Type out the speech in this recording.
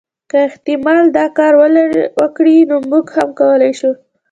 که احتمالا دا کار وکړي نو موږ هم کولای شو.